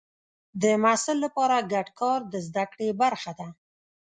د محصل لپاره ګډ کار د زده کړې برخه ده.